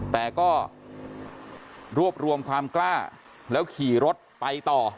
แต่ก็รวบรวมความกล้าแล้วขี่รถไปต่อ